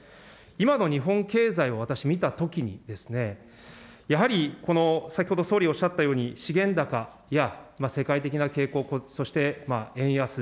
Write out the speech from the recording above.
今の日本経済を私、見たときにですね、やはり、この先ほど、総理おっしゃったように、資源高や世界的な傾向、そして円安。